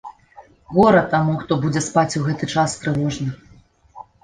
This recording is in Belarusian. Гора таму, хто будзе спаць у гэты час трывожны!